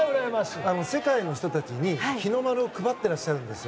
世界の人たちに日の丸を配ってらっしゃるんですよ。